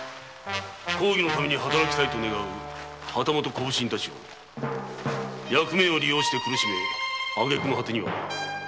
公儀のために働きたいと願う旗本小普請たちを役目を利用して苦しめあげくの果て今井善四郎沢井